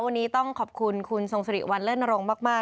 วันนี้ต้องขอบคุณคุณทรงสิริวัลเลิศนรงค์มาก